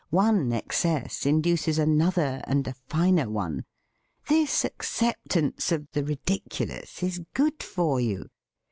One excess induces another, and a finer one. This acceptance of the ridiculous is good for you.